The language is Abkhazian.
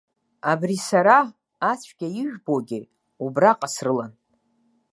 Абри сара, ацәгьа ижәбогьы, убраҟа срылан.